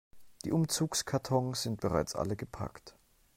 Die Umzugskartons sind bereits alle gepackt.